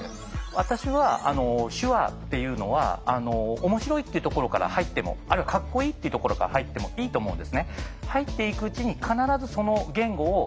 私は手話っていうのは面白いっていうところから入ってもあるいはかっこいいっていうところから入ってもいいと思うんですね。